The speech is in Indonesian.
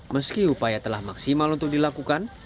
meski upaya telah maksimal untuk dilakukan